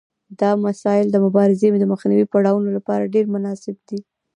دا مسایل د مبارزې د منځنیو پړاوونو لپاره ډیر مناسب دي.